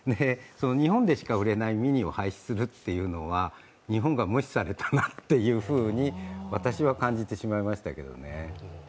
日本でしか売れないｍｉｎｉを廃止するというのは日本が無視されたなというふうに私は感じてしまいましたけどね。